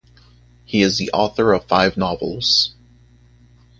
He is the author of five novels.